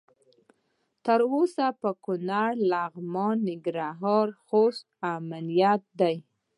تر اوسه په کنړ، لغمان، ننګرهار او خوست امنیت دی.